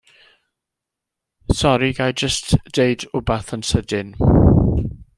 Sori ga'i jyst deud 'wbath yn sydyn.